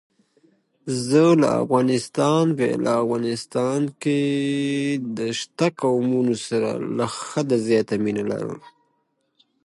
د احمد شاه بابا نوم د افغانانو په زړونو کې ژوندی دی.